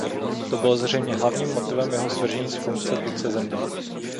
To bylo zřejmě hlavním motivem jeho svržení z funkce vůdce země.